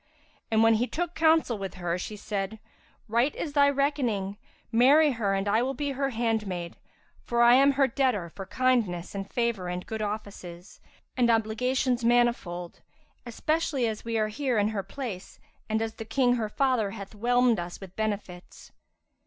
And when he took counsel with her, she said, "Right is thy recking; marry her and I will be her handmaid; for I am her debtor for kindness and favour and good offices, and obligations manifold, especially as we are here in her place and as the King her father hath whelmed us with benefits."